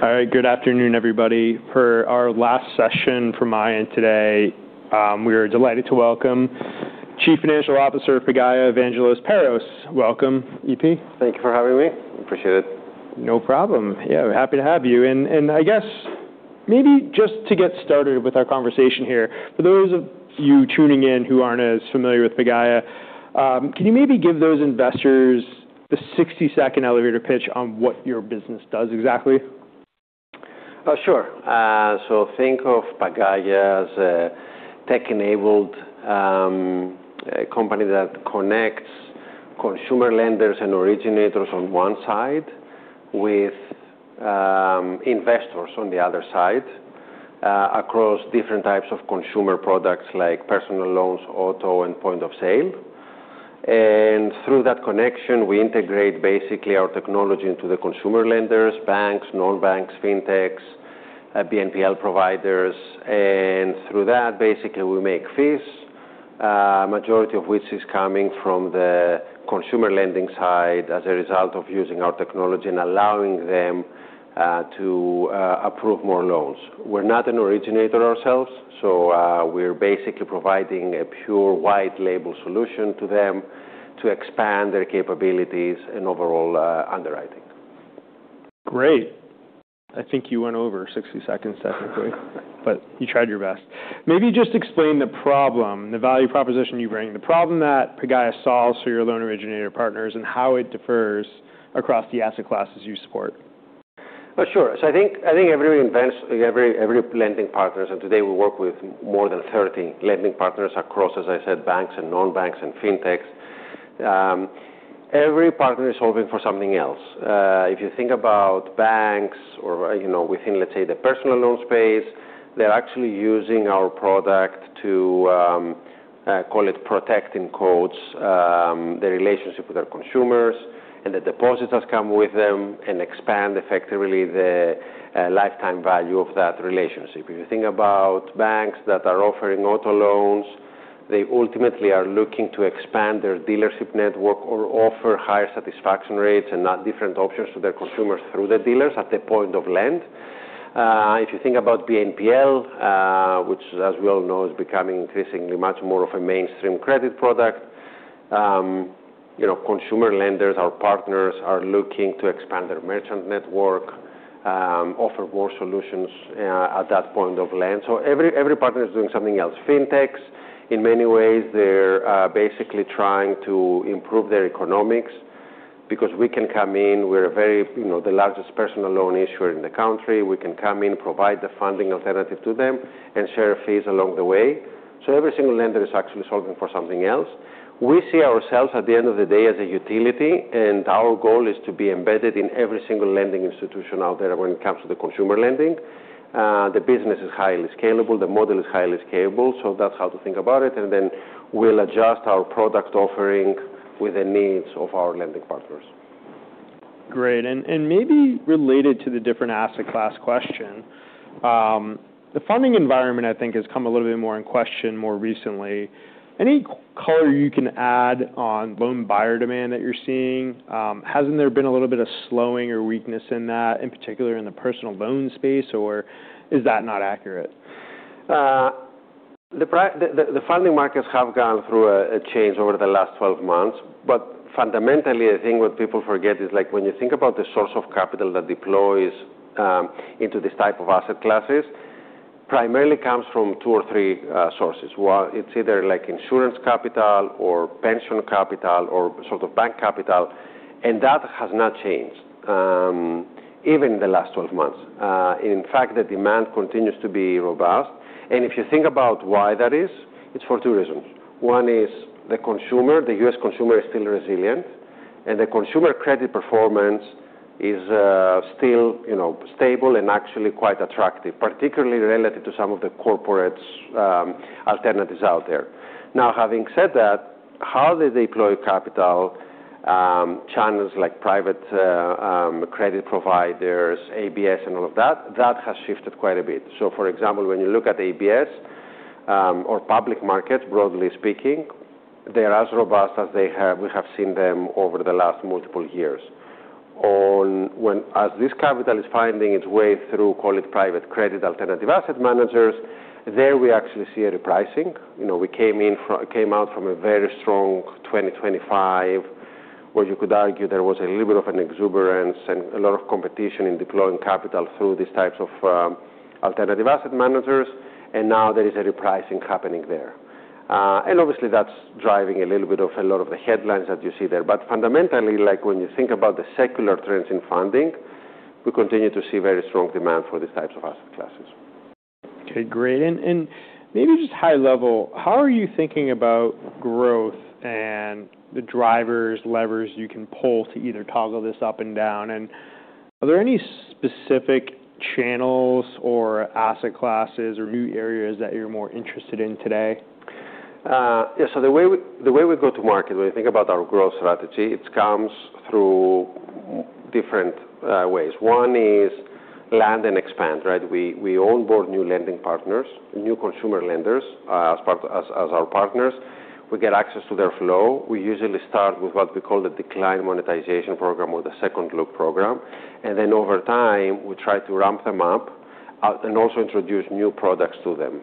All right. God afternoon, everybody. For our last session for Maya today, we are delighted to welcome Chief Financial Officer of Pagaya, Evangelos Perros. Welcome, EP. Thank you for having me. Appreciate it. No problem. Yeah, we're happy to have you. I guess maybe just to get started with our conversation here, for those of you tuning in who aren't as familiar with Pagaya, can you maybe give those investors a 60-second elevator pitch on what your business does exactly? Sure. Think of Pagaya as a tech-enabled company that connects consumer lenders and originators on one side with investors on the other side, across different types of consumer products like personal loans, auto, and point-of-sale. Through that connection, we integrate basically our technology into the consumer lenders, banks, non-banks, fintechs, BNPL providers. Through that, basically, we make fees, majority of which is coming from the consumer lending side as a result of using our technology and allowing them to approve more loans. We're not an originator ourselves, so we're basically providing a pure white label solution to them to expand their capabilities in overall underwriting. Great. I think you went over 60 seconds, technically. You tried your best. Just explain the problem, the value proposition you bring, the problem that Pagaya solves for your loan originator partners, and how it differs across the asset classes you support. Sure. I think every lending partner, and today we work with more than 30 lending partners across, as I said, banks and non-banks and fintechs. Every partner is solving for something else. If you think about banks or within, let's say, the personal loan space, they're actually using our product to call it, protect, in quotes, their relationship with their consumers, and the depositors come with them and expand effectively the lifetime value of that relationship. If you think about banks that are offering auto loans, they ultimately are looking to expand their dealership network or offer higher satisfaction rates and different options to their consumers through the dealers at the point of lend. If you think about BNPL, which, as we all know, is becoming increasingly much more of a mainstream credit product. Consumer lenders, our partners are looking to expand their merchant network, offer more solutions at that point of lend. Every partner is doing something else. Fintechs, in many ways, they're basically trying to improve their economics because we can come in, we're the largest personal loan issuer in the country. We can come in, provide the funding alternative to them, and share fees along the way. Every single lender is actually solving for something else. We see ourselves, at the end of the day, as a utility, and our goal is to be embedded in every single lending institution out there when it comes to the consumer lending. The business is highly scalable. The model is highly scalable, that's how to think about it, and then we'll adjust our product offering with the needs of our lending partners. Great. Maybe related to the different asset class question, the funding environment, I think, has come a little bit more in question more recently. Any color you can add on loan buyer demand that you're seeing? Hasn't there been a little bit of slowing or weakness in that, in particular in the personal loan space, or is that not accurate? The funding markets have gone through a change over the last 12 months. Fundamentally, the thing what people forget is when you think about the source of capital that deploys into these type of asset classes, primarily comes from two or three sources. One, it is either insurance capital or pension capital or sort of bank capital, and that has not changed, even in the last 12 months. In fact, the demand continues to be robust. If you think about why that is, it is for two reasons. One is the consumer. The U.S. consumer is still resilient, and the consumer credit performance is still stable and actually quite attractive, particularly relative to some of the corporate alternatives out there. Having said that, how they deploy capital, channels like private credit providers, ABS, and all of that has shifted quite a bit. For example, when you look at ABS or public markets, broadly speaking, they are as robust as we have seen them over the last multiple years. As this capital is finding its way through, call it private credit, alternative asset managers, there we actually see a repricing. We came out from a very strong 2025, where you could argue there was a little bit of an exuberance and a lot of competition in deploying capital through these types of alternative asset managers, and now there is a repricing happening there. Obviously that is driving a little bit of a lot of the headlines that you see there. Fundamentally, when you think about the secular trends in funding, we continue to see very strong demand for these types of asset classes. Okay, great. Maybe just high level, how are you thinking about growth and the drivers, levers you can pull to either toggle this up and down? Are there any specific channels or asset classes or new areas that you are more interested in today? Yeah. The way we go to market, when we think about our growth strategy, it comes through different ways. One is land and expand, right? We onboard new lending partners, new consumer lenders as our partners. We get access to their flow. We usually start with what we call the Decline Monetization program or the second look program. Then over time, we try to ramp them up, and also introduce new products to them.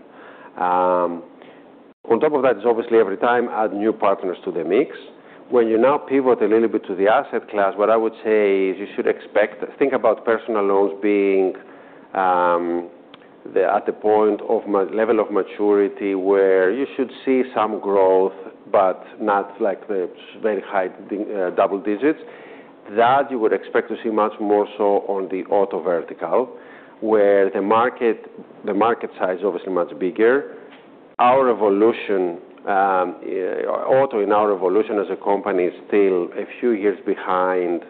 On top of that is obviously every time add new partners to the mix. When you now pivot a little bit to the asset class, what I would say is you should expect, think about personal loans being at the point of level of maturity where you should see some growth, but not the very high double digits. That you would expect to see much more so on the auto vertical, where the market size obviously much bigger. Auto in our evolution as a company is still a few years behind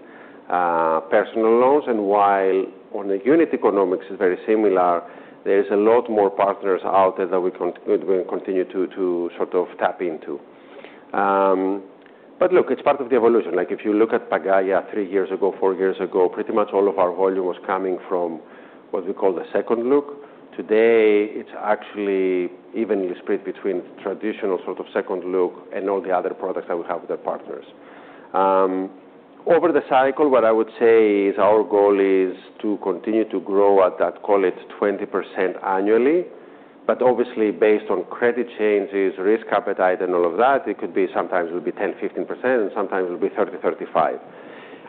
personal loans. While on the unit economics is very similar, there's a lot more partners out there that we continue to tap into. Look, it's part of the evolution. If you look at Pagaya three years ago, four years ago, pretty much all of our volume was coming from what we call the second look. Today, it's actually evenly split between traditional second look and all the other products that we have with our partners. Over the cycle, what I would say is our goal is to continue to grow at that, call it, 20% annually. Obviously based on credit changes, risk appetite, and all of that, it could be sometimes will be 10%-15%, and sometimes it'll be 30%-35%.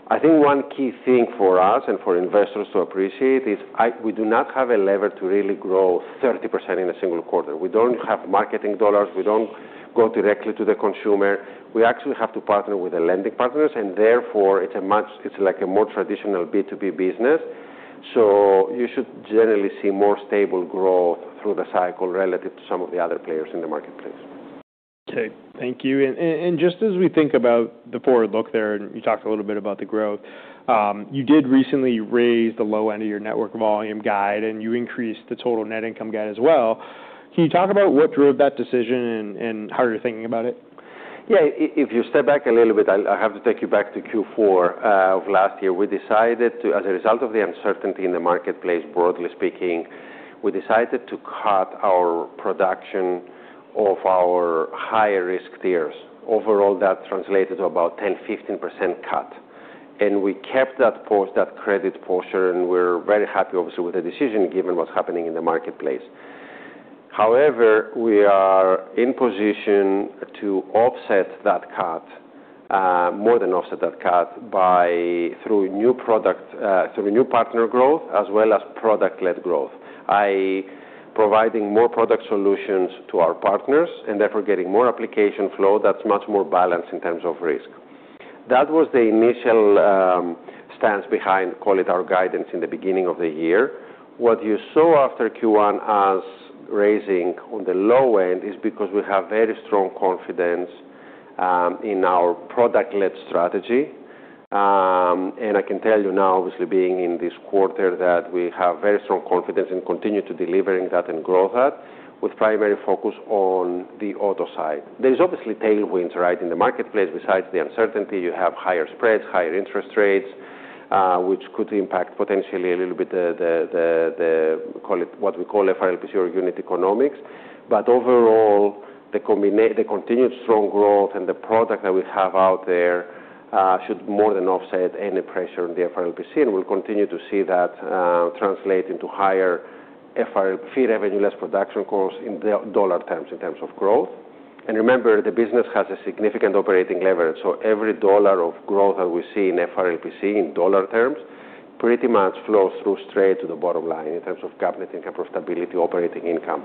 I think one key thing for us and for investors to appreciate is we do not have a lever to really grow 30% in a single quarter. We don't have marketing dollars. We don't go directly to the consumer. We actually have to partner with the lending partners, and therefore it's like a more traditional B2B business. You should generally see more stable growth through the cycle relative to some of the other players in the marketplace. Okay, thank you. Just as we think about the forward look there, you talked a little bit about the growth. You did recently raise the low end of your network volume guide, and you increased the total net income guide as well. Can you talk about what drove that decision and how you're thinking about it? Yeah. If you step back a little bit, I have to take you back to Q4 of last year. As a result of the uncertainty in the marketplace, broadly speaking, we decided to cut our production of our higher risk tiers. Overall, that translated to about 10%-15% cut. We kept that credit posture, and we're very happy, obviously, with the decision given what's happening in the marketplace. However, we are in position to offset that cut, more than offset that cut through new partner growth as well as product-led growth, i.e., providing more product solutions to our partners and therefore getting more application flow that's much more balanced in terms of risk. That was the initial stance behind, call it, our guidance in the beginning of the year. What you saw after Q1 as raising on the low end is because we have very strong confidence in our product-led strategy. I can tell you now, obviously being in this quarter, that we have very strong confidence and continue to delivering that and grow that with primary focus on the auto side. There's obviously tailwinds right in the marketplace. Besides the uncertainty, you have higher spreads, higher interest rates, which could impact potentially a little bit the, call it what we call FRLPC or unit economics. Overall, the continued strong growth and the product that we have out there should more than offset any pressure on the FRLPC, and we'll continue to see that translate into higher Fee Revenue Less Production Costs in dollar terms in terms of growth. Remember, the business has a significant operating leverage. Every $1 of growth that we see in FRLPC, in dollar terms, pretty much flows through straight to the bottom line in terms of capital income, profitability, operating income.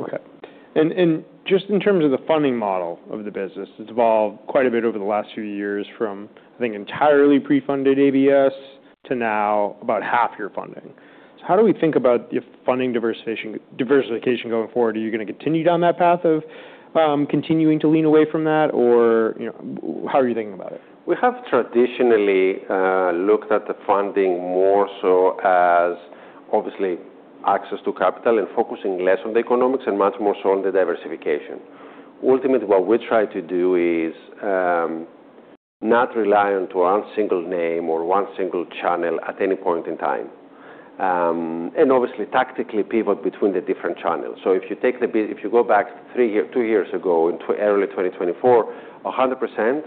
Okay. Just in terms of the funding model of the business, it's evolved quite a bit over the last few years from, I think, entirely pre-funded ABS to now about half your funding. How do we think about your funding diversification going forward? Are you going to continue down that path of continuing to lean away from that? How are you thinking about it? We have traditionally looked at the funding more so as obviously access to capital and focusing less on the economics and much more so on the diversification. Ultimately, what we try to do is not rely on to one single name or one single channel at any point in time. Obviously tactically pivot between the different channels. If you go back two years ago into early 2024, 100%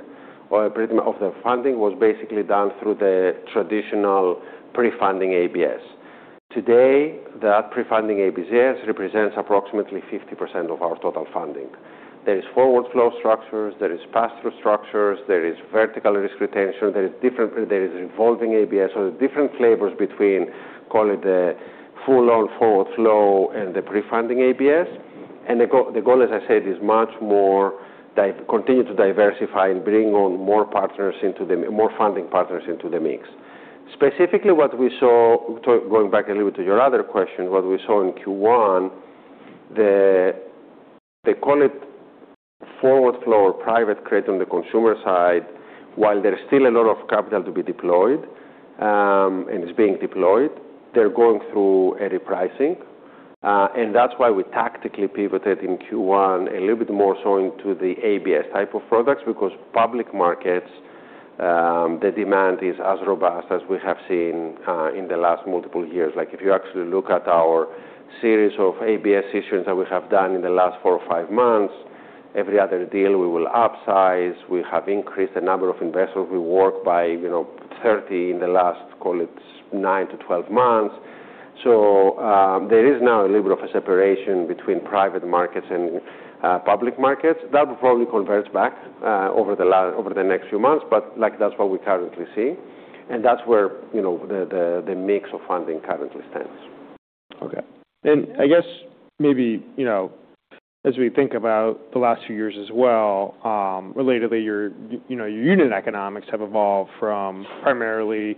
of the funding was basically done through the traditional pre-funding ABS. Today, that pre-funding ABS represents approximately 50% of our total funding. There is forward flow structures, there is pass-through structures, there is vertical risk retention, there is revolving ABS. There's different flavors between, call it, the full on forward flow and the pre-funding ABS. The goal, as I said, is much more continue to diversify and bring on more funding partners into the mix. Specifically what we saw, going back a little bit to your other question, what we saw in Q1, the, call it, forward flow or private credit on the consumer side, while there's still a lot of capital to be deployed, and it's being deployed, they're going through a repricing. That's why we tactically pivoted in Q1 a little bit more so into the ABS type of products because public markets, the demand is as robust as we have seen in the last multiple years. If you actually look at our series of ABS issuance that we have done in the last four or five months. Every other deal we will upsize. We have increased the number of investors we work by 30 in the last, call it, nine to 12 months. There is now a little of a separation between private markets and public markets. That will probably converge back over the next few months, but that's what we currently see, and that's where the mix of funding currently stands. Okay. I guess maybe, as we think about the last few years as well, relatedly, your unit economics have evolved from primarily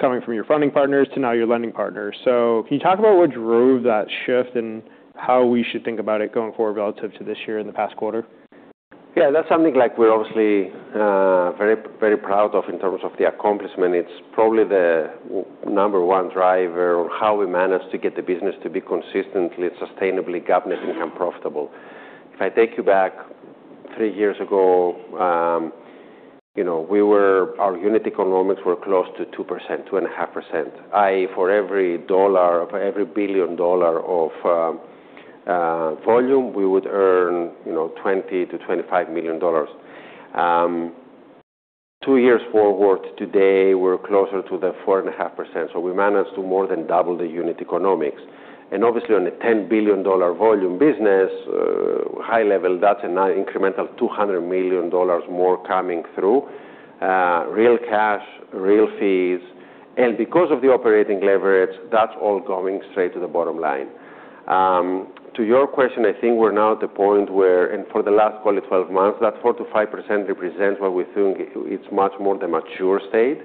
coming from your funding partners to now your lending partners. Can you talk about what drove that shift and how we should think about it going forward relative to this year and the past quarter? Yeah, that's something like we're obviously very proud of in terms of the accomplishment. It's probably the number 1 driver of how we manage to get the business to be consistently, sustainably governing and profitable. If I take you back three years ago, our unit economics were close to 2%, 2.5%. For every $1 billion of volume, we would earn $20 million-$25 million. Two years forward, today, we're closer to the 4.5%, we managed to more than double the unit economics. Obviously on a $10 billion volume business, high level, that's an incremental $200 million more coming through, real cash, real fees. Because of the operating leverage, that's all going straight to the bottom line. To your question, I think we are now at the point where, and for the last, call it, 12 months, that 4%-5% represents what we think it is much more the mature state.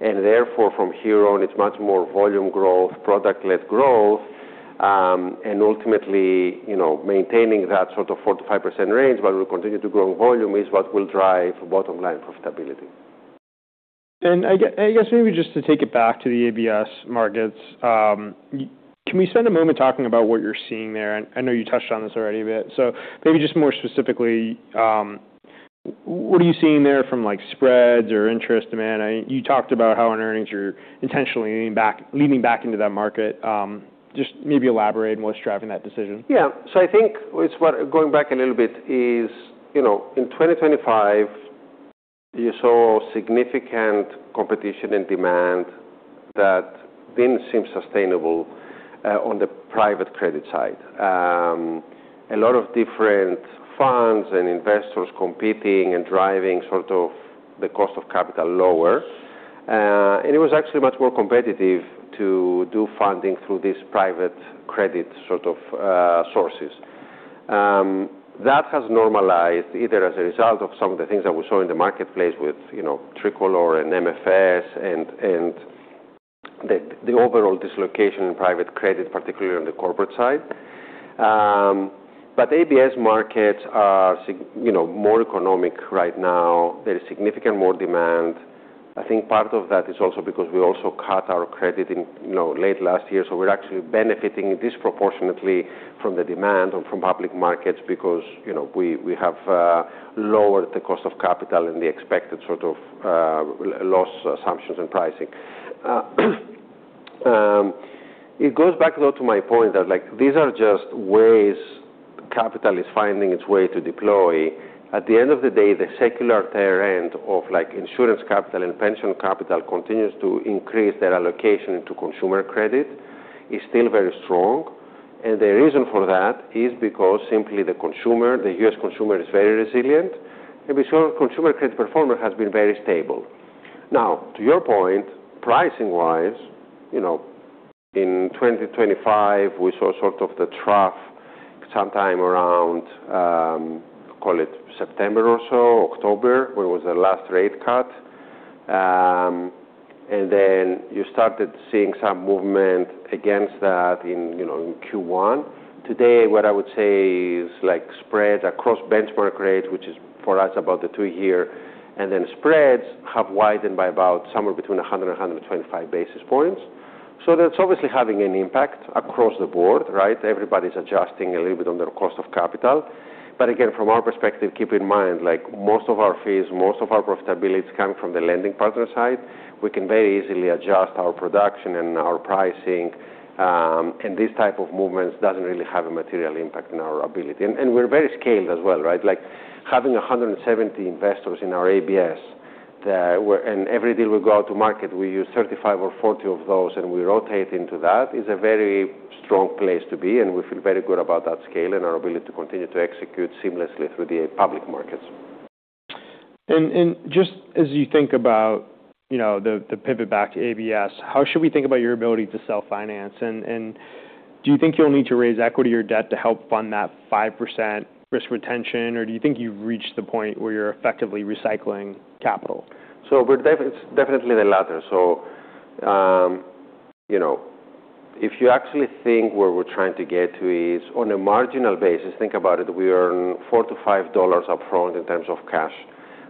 Therefore, from here on, it is much more volume growth, product-led growth, and ultimately, maintaining that sort of 4%-5% range while we continue to grow volume is what will drive bottom-line profitability. I guess maybe just to take it back to the ABS markets, can we spend a moment talking about what you are seeing there? I know you touched on this already a bit. Maybe just more specifically, what are you seeing there from spreads or interest demand? You talked about how in earnings you are intentionally leaning back into that market. Just maybe elaborate what is driving that decision. I think going back a little bit is, in 2025, you saw significant competition and demand that did not seem sustainable on the private credit side. A lot of different funds and investors competing and driving the cost of capital lower. It was actually much more competitive to do funding through these private credit sources. That has normalized, either as a result of some of the things that we saw in the marketplace with Tricolor and MFS and the overall dislocation in private credit, particularly on the corporate side. ABS markets are more economic right now. There is significant more demand. I think part of that is also because we also cut our credit late last year, so we are actually benefiting disproportionately from the demand from public markets because we have lowered the cost of capital and the expected loss assumptions and pricing. It goes back, though, to my point that these are just ways capital is finding its way to deploy. At the end of the day, the secular tail end of insurance capital and pension capital continues to increase their allocation into consumer credit is still very strong. The reason for that is because simply the consumer, the U.S. consumer, is very resilient, and we saw consumer credit performer has been very stable. Now, to your point, pricing wise, in 2025, we saw the trough sometime around, call it September or so, October, when was the last rate cut. Then you started seeing some movement against that in Q1. Today, what I would say is spreads across benchmark rates, which is for us about the two year, and then spreads have widened by about somewhere between 100 and 125 basis points. That's obviously having an impact across the board, right? Everybody's adjusting a little bit on their cost of capital. Again, from our perspective, keep in mind, most of our fees, most of our profitability is coming from the lending partner side. We can very easily adjust our production and our pricing, and these type of movements doesn't really have a material impact on our ability. We're very scaled as well, right? Having 170 investors in our ABS, and every deal we go out to market, we use 35 or 40 of those, and we rotate into that, is a very strong place to be, and we feel very good about that scale and our ability to continue to execute seamlessly through the public markets. Just as you think about the pivot back to ABS, how should we think about your ability to self-finance? Do you think you'll need to raise equity or debt to help fund that 5% risk retention, or do you think you've reached the point where you're effectively recycling capital? It's definitely the latter. If you actually think where we're trying to get to is on a marginal basis, think about it, we earn $4-$5 upfront in terms of cash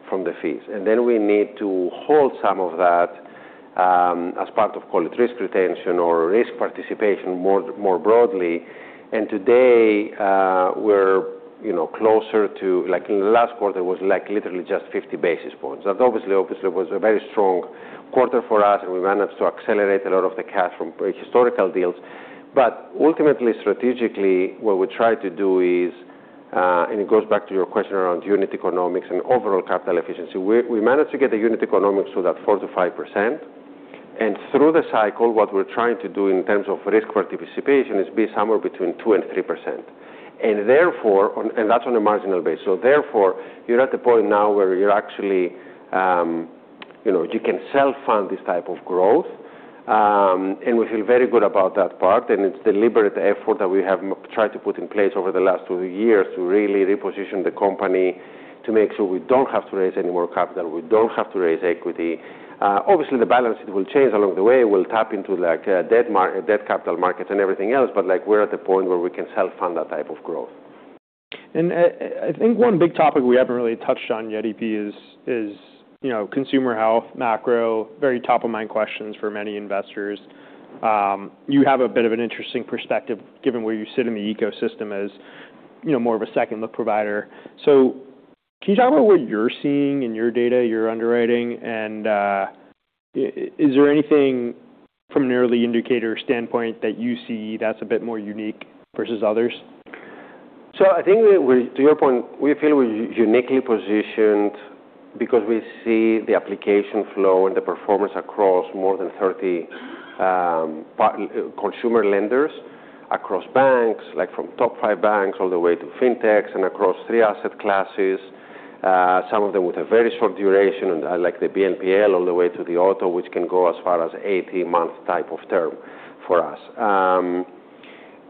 from the fees. Then we need to hold some of that, as part of, call it, risk retention or risk participation more broadly. Today, we're closer to, in the last quarter, it was literally just 50 basis points. That obviously was a very strong quarter for us, and we managed to accelerate a lot of the cash from historical deals. Ultimately, strategically, what we try to do is, it goes back to your question around unit economics and overall capital efficiency. We managed to get the unit economics to that 4%-5%. Through the cycle, what we're trying to do in terms of risk participation is be somewhere between 2% and 3%. That's on a marginal basis. Therefore, you're at the point now where you can self-fund this type of growth. We feel very good about that part, and it's a deliberate effort that we have tried to put in place over the last two years to really reposition the company to make sure we don't have to raise any more capital, we don't have to raise equity. Obviously, the balance will change along the way. We'll tap into debt capital markets and everything else, but we're at the point where we can self-fund that type of growth. I think one big topic we haven't really touched on yet, EP, is consumer health, macro, very top-of-mind questions for many investors. You have a bit of an interesting perspective given where you sit in the ecosystem as more of a second-look provider. Can you talk about what you're seeing in your data, your underwriting, and is there anything from an early indicator standpoint that you see that's a bit more unique versus others? I think, to your point, we feel we're uniquely positioned because we see the application flow and the performance across more than 30 consumer lenders, across banks, from top five banks all the way to Fintechs, and across three asset classes. Some of them with a very short duration, like the BNPL, all the way to the auto, which can go as far as 18-month type of term for us.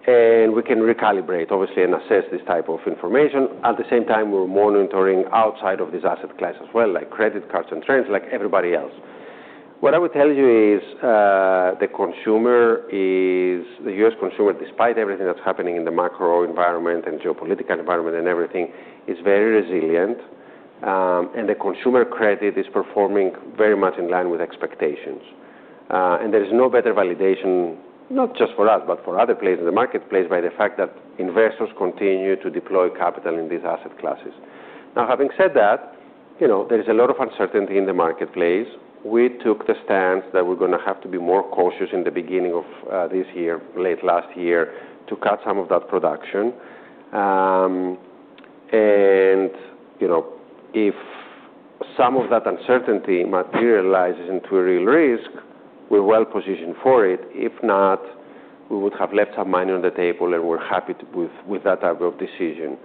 We can recalibrate, obviously, and assess this type of information. At the same time, we're monitoring outside of this asset class as well, like credit cards and trends, like everybody else. What I would tell you is the U.S. consumer, despite everything that's happening in the macro environment and geopolitical environment and everything, is very resilient. The consumer credit is performing very much in line with expectations. There is no better validation, not just for us, but for other players in the marketplace, by the fact that investors continue to deploy capital in these asset classes. Having said that, there's a lot of uncertainty in the marketplace. We took the stance that we're going to have to be more cautious in the beginning of this year, late last year, to cut some of that production. If some of that uncertainty materializes into a real risk, we're well-positioned for it. If not, we would have left some money on the table, and we're happy with that type of decision.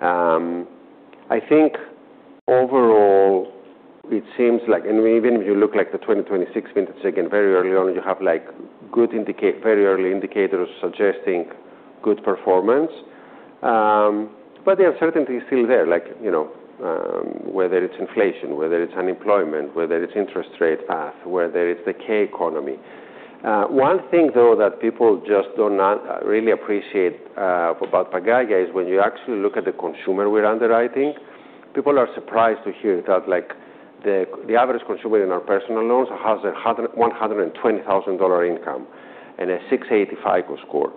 I think overall, it seems like, and even if you look like the 2026 vintage, again, very early on, you have very early indicators suggesting good performance. The uncertainty is still there, whether it's inflation, whether it's unemployment, whether it's interest rate path, whether it's the K-economy. One thing, though, that people just do not really appreciate about Pagaya is when you actually look at the consumer we're underwriting, people are surprised to hear that the average consumer in our personal loans has a $120,000 income and a 680 FICO score.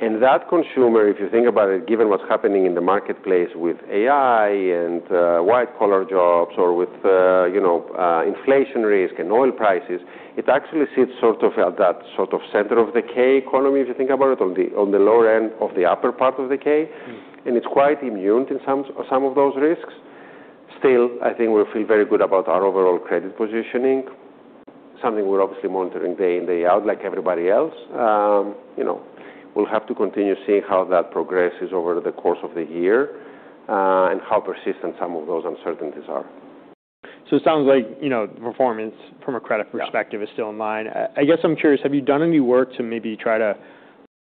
That consumer, if you think about it, given what's happening in the marketplace with AI and white-collar jobs or with inflation risk and oil prices, it actually sits at that center of the K-economy, if you think about it, on the lower end of the upper part of the K. It's quite immune to some of those risks. Still, I think we feel very good about our overall credit positioning. Something we're obviously monitoring day in, day out like everybody else. We'll have to continue seeing how that progresses over the course of the year and how persistent some of those uncertainties are. It sounds like performance from a credit perspective- Yeah is still in line. I guess I'm curious, have you done any work to maybe try to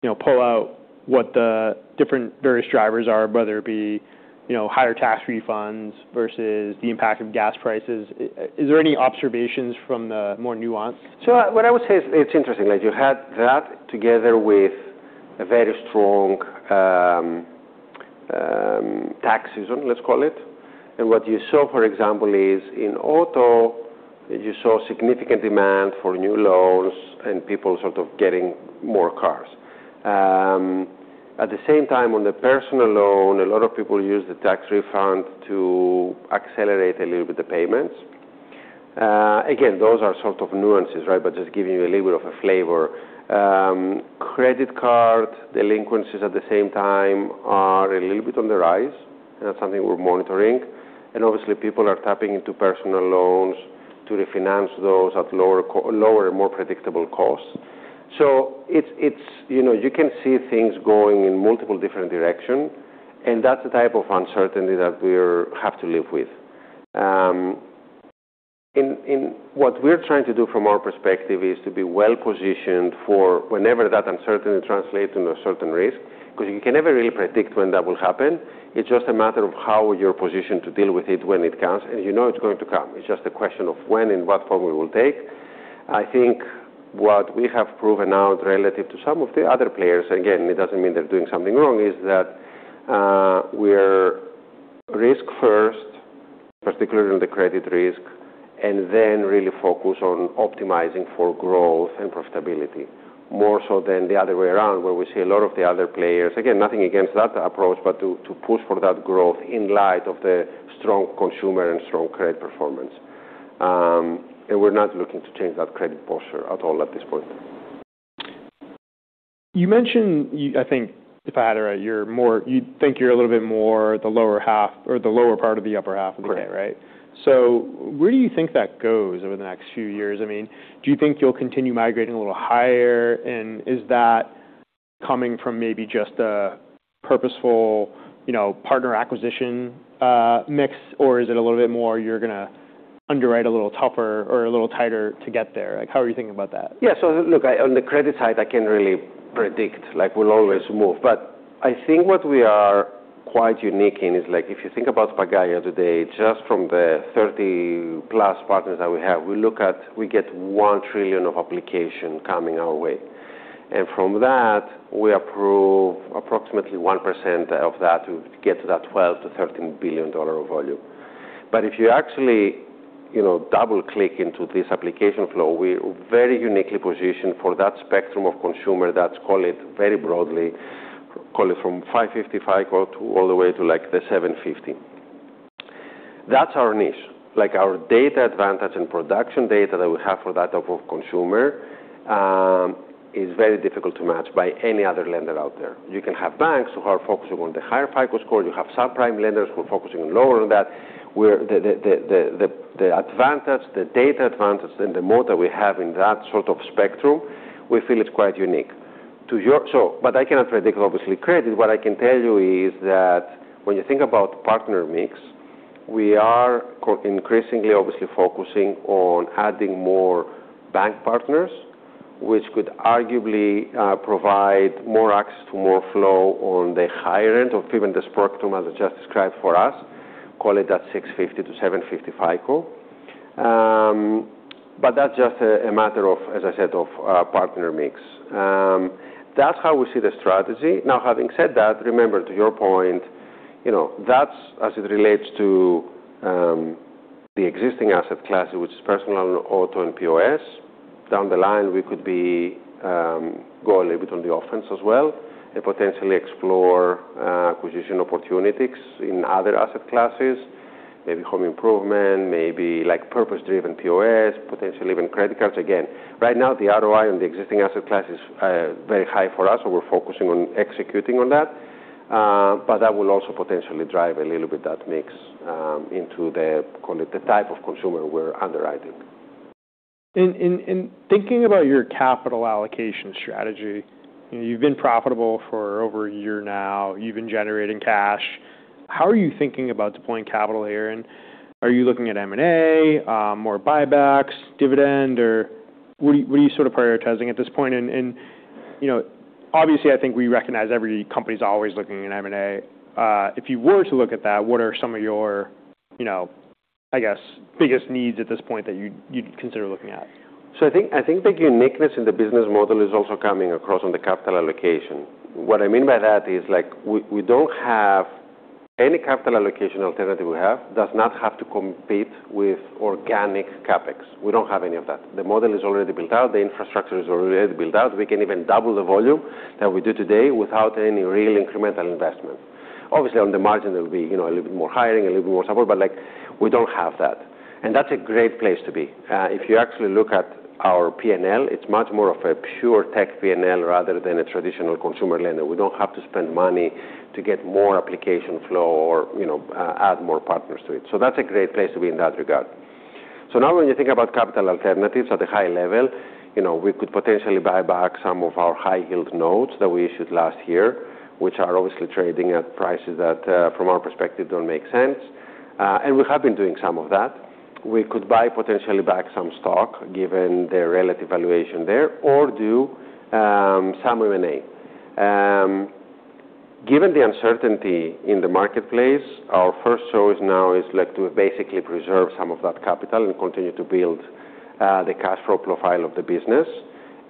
pull out what the different various drivers are, whether it be higher tax refunds versus the impact of gas prices? Is there any observations from the more nuance? What I would say is it's interesting. You had that together with a very strong tax season, let's call it. What you saw, for example, is in auto, you saw significant demand for new loans and people getting more cars. At the same time, on the personal loan, a lot of people used the tax refund to accelerate a little bit the payments. Again, those are sort of nuances, but just giving you a little bit of a flavor. credit card delinquencies, at the same time, are a little bit on the rise. That's something we're monitoring. Obviously, people are tapping into personal loans to refinance those at lower, more predictable costs. You can see things going in multiple different directions, and that's the type of uncertainty that we have to live with. What we're trying to do from our perspective is to be well-positioned for whenever that uncertainty translates into a certain risk, because you can never really predict when that will happen. It's just a matter of how you're positioned to deal with it when it comes. You know it's going to come. It's just a question of when and what form it will take. I think what we have proven now relative to some of the other players, again, it doesn't mean they're doing something wrong, is that we're risk first, particularly on the credit risk, and then really focus on optimizing for growth and profitability. More so than the other way around, where we see a lot of the other players. Again, nothing against that approach, but to push for that growth in light of the strong consumer and strong credit performance. We're not looking to change that credit posture at all at this point. You mentioned, I think, if I had it right, you think you're a little bit more the lower half or the lower part of the upper half of the credit, right? Correct. Where do you think that goes over the next few years? Do you think you'll continue migrating a little higher, and is that coming from maybe just a purposeful partner acquisition mix, or is it a little bit more you're going to underwrite a little tougher or a little tighter to get there? How are you thinking about that? Look, on the credit side, I can't really predict. We'll always move. I think what we are quite unique in is if you think about Pagaya today, just from the 30-plus partners that we have, we get 1 trillion of application coming our way. From that, we approve approximately 1% of that to get to that $12 billion-$13 billion of volume. If you actually double-click into this application flow, we're very uniquely positioned for that spectrum of consumer that's, call it very broadly, call it from 550 FICO all the way to the 750. That's our niche. Our data advantage and production data that we have for that type of consumer is very difficult to match by any other lender out there. You can have banks who are focusing on the higher FICO score. You have subprime lenders who are focusing on lower than that, where the data advantage and the moat that we have in that sort of spectrum, we feel is quite unique. I cannot predict, obviously, credit. What I can tell you is that when you think about partner mix, we are increasingly, obviously, focusing on adding more bank partners, which could arguably provide more access to more flow on the higher end of even the spectrum, as I just described, for us, call it at 650-750 FICO. That's just a matter of, as I said, of partner mix. That's how we see the strategy. Having said that, remember, to your point, that's as it relates to the existing asset classes, which is personal, auto, and POS. Down the line, we could go a little bit on the offense as well and potentially explore acquisition opportunities in other asset classes. Maybe home improvement, maybe purpose-driven POS, potentially even credit cards. Right now, the ROI on the existing asset class is very high for us, we're focusing on executing on that. That will also potentially drive a little bit that mix into the, call it, the type of consumer we're underwriting. In thinking about your capital allocation strategy, you've been profitable for over a year now. You've been generating cash. How are you thinking about deploying capital here, and are you looking at M&A, more buybacks, dividend, or what are you prioritizing at this point? Obviously, I think we recognize every company's always looking at M&A. If you were to look at that, what are some of your, I guess, biggest needs at this point that you'd consider looking at? I think the uniqueness in the business model is also coming across on the capital allocation. What I mean by that is any capital allocation alternative we have does not have to compete with organic CapEx. We don't have any of that. The model is already built out. The infrastructure is already built out. We can even double the volume that we do today without any real incremental investment. Obviously, on the margin, there'll be a little bit more hiring, a little bit more support, but we don't have that. That's a great place to be. If you actually look at our P&L, it's much more of a pure tech P&L rather than a traditional consumer lender. We don't have to spend money to get more application flow or add more partners to it. That's a great place to be in that regard. Now when you think about capital alternatives at a high level, we could potentially buy back some of our high yield notes that we issued last year, which are obviously trading at prices that, from our perspective, don't make sense. We have been doing some of that. We could buy potentially back some stock, given the relative valuation there, or do some M&A. Given the uncertainty in the marketplace, our first choice now is to basically preserve some of that capital and continue to build the cash flow profile of the business.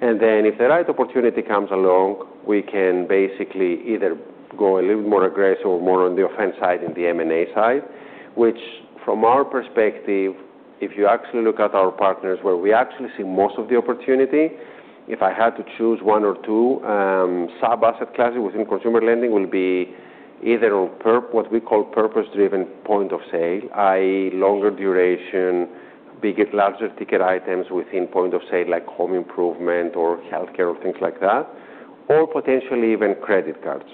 If the right opportunity comes along, we can basically either go a little bit more aggressive or more on the offense side and the M&A side. Which, from our perspective, if you actually look at our partners where we actually see most of the opportunity, if I had to choose one or two sub-asset classes within consumer lending will be either what we call purpose-driven point of sale, i.e., longer duration, larger ticket items within point of sale, like Home Improvement or healthcare or things like that, or potentially even credit cards.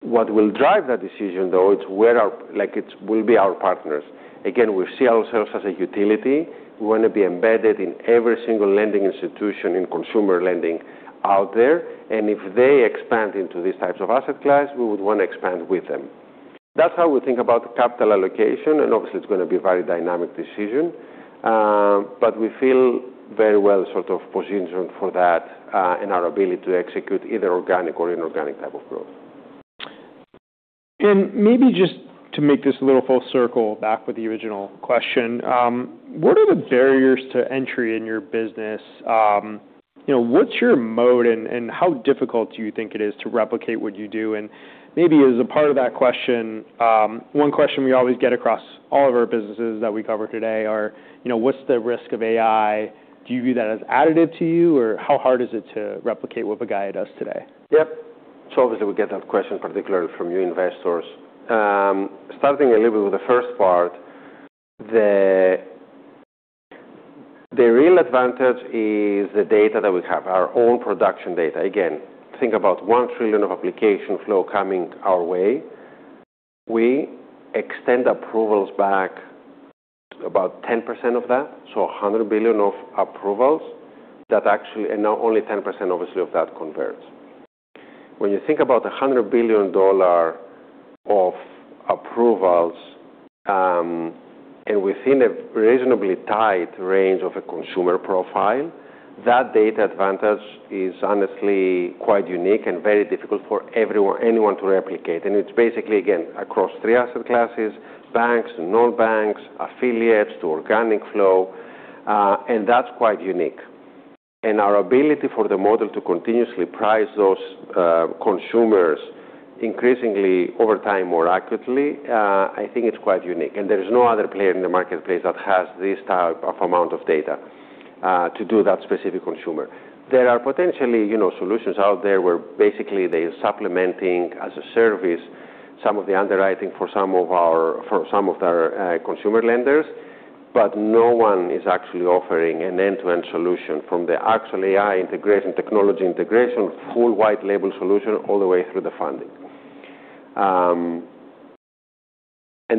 What will drive that decision, though, will be our partners. Again, we see ourselves as a utility. We want to be embedded in every single lending institution in consumer lending out there. If they expand into these types of asset class, we would want to expand with them. That's how we think about capital allocation, and obviously, it's going to be a very dynamic decision. We feel very well positioned for that and our ability to execute either organic or inorganic type of growth. Maybe just to make this a little full circle back with the original question, what are the barriers to entry in your business? What's your moat, and how difficult do you think it is to replicate what you do? maybe as a part of that question, one question we always get across all of our businesses that we cover today are, what's the risk of AI? Do you view that as additive to you, or how hard is it to replicate what Pagaya does today? Obviously, we get that question particularly from new investors. Starting a little bit with the first part, the real advantage is the data that we have, our own production data. Again, think about $1 trillion of application flow coming our way. We extend approvals back about 10% of that, so $100 billion of approvals that actually, and now only 10%, obviously, of that converts. When you think about $100 billion of approvals, and within a reasonably tight range of a consumer profile, that data advantage is honestly quite unique and very difficult for anyone to replicate. It's basically, again, across three asset classes, banks, non-banks, affiliates to organic flow, and that's quite unique. Our ability for the model to continuously price those consumers increasingly over time, more accurately, I think it's quite unique. There's no other player in the marketplace that has this type of amount of data to do that specific consumer. There are potentially solutions out there where basically they're supplementing as a service some of the underwriting for some of their consumer lenders. No one is actually offering an end-to-end solution from the actual AI integration, technology integration, full white label solution, all the way through the funding.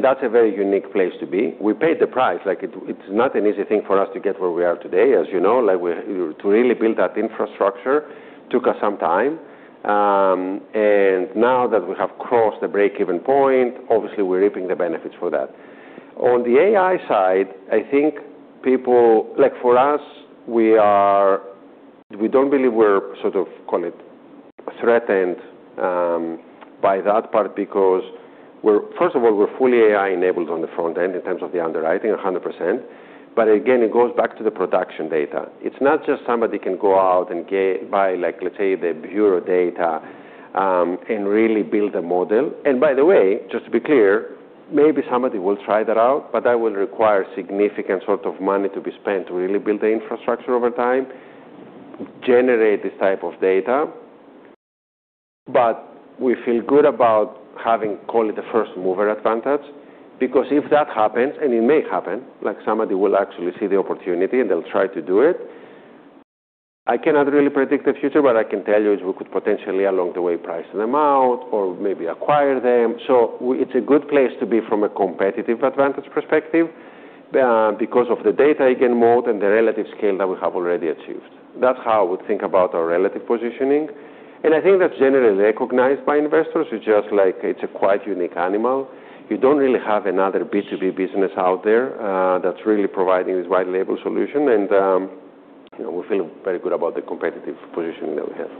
That's a very unique place to be. We paid the price. It's not an easy thing for us to get where we are today, as you know. To really build that infrastructure took us some time. Now that we have crossed the break-even point, obviously, we're reaping the benefits for that. On the AI side, I think people. Like for us, we don't believe we're sort of, call it, threatened by that part because first of all, we're fully AI-enabled on the front end in terms of the underwriting, 100%. Again, it goes back to the production data. It's not just somebody can go out and buy, let's say, the bureau data, and really build a model. By the way, just to be clear, maybe somebody will try that out, that will require significant sort of money to be spent to really build the infrastructure over time, generate this type of data. We feel good about having, call it, the first-mover advantage, because if that happens, and it may happen, somebody will actually see the opportunity and they'll try to do it. I cannot really predict the future, but I can tell you is we could potentially, along the way, price them out or maybe acquire them. It's a good place to be from a competitive advantage perspective because of the data, again, moat, and the relative scale that we have already achieved. That's how we think about our relative positioning, and I think that's generally recognized by investors. It's just like, it's a quite unique animal. You don't really have another B2B business out there that's really providing this white label solution. We feel very good about the competitive positioning that we have.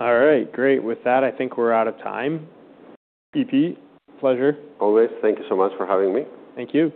All right. Great. With that, I think we're out of time. EP, pleasure. Always. Thank you so much for having me. Thank you.